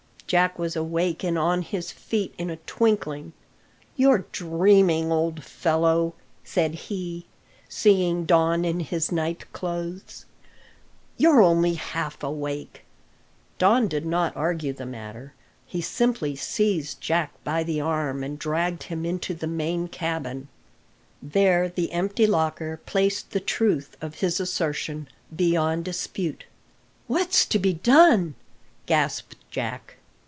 Jack was awake and on his feet in a twinkling. "You're dreaming, old fellow," said he, seeing Don in his night clothes. "You're only half awake." Don did not argue the matter. He simply seized Jack by the arm and dragged him into the main cabin. There the empty locker placed the truth of his assertion beyond dispute. "What's to be done?" gasped Jack.